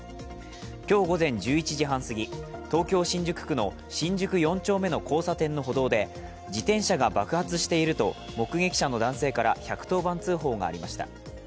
今日午前１１時半すぎ、東京・新宿区の新宿４丁目の交差点の歩道で自転車が爆発していると目撃者の男性から１１０番通報がありました。